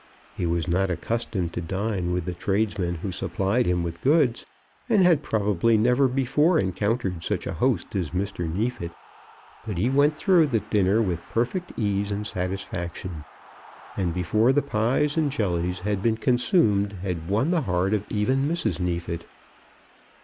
He was not accustomed to dine with the tradesmen who supplied him with goods, and had probably never before encountered such a host as Mr. Neefit; but he went through the dinner with perfect ease and satisfaction, and before the pies and jellies had been consumed, had won the heart of even Mrs. Neefit.